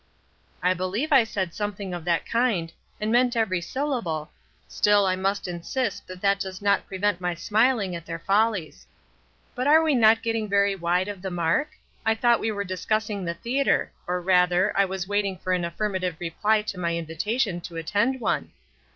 "I believe I said something of that kind, and meant every syllable, still I must insist that that does not prevent my smiling at their follies. But are we not getting very wide of the mark ? I thought we were discussing the theatre; or rather, I was waiting for an affirmative reply to my invitation to attend one.